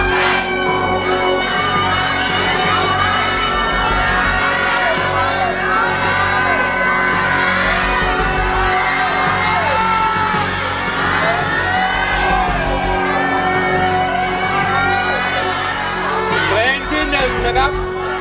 เพลงที่๑นะครับ